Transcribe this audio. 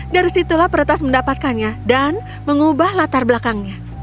dari situlah peretas mendapatkannya dan mengubah latar belakangnya